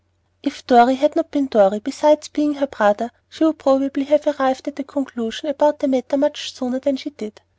If Dorry had not been Dorry, besides being her brother, she would probably have arrived at a conclusion about the matter much sooner than she did.